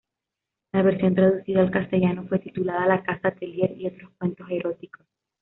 La versión traducida al castellano fue titulada "La casa Tellier y otros cuentos eróticos".